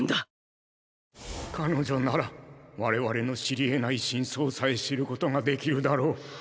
彼女なら我々の知り得ない真相さえ知ることができるだろう。